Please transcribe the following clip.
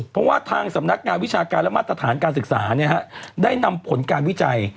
เพราะว่าทางสำนักงานวิชาการและมาตรฐานการศึกษาได้นำผลการวิจัย